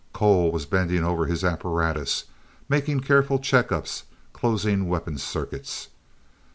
Cole was bending over his apparatus, making careful check ups, closing weapon circuits.